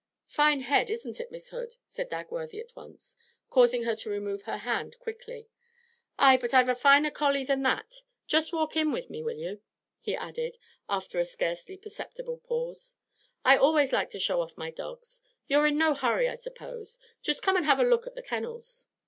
'Fine head, isn't it, Miss Hood?' said Dagworthy at once, causing her to remove her hand quickly. 'Ay, but I've a finer collie than that. Just walk in with me, will you?' he added, after a scarcely perceptible pause. 'I always like to show off my dogs. You're in no hurry, I suppose? Just come and have a look at the kennels.'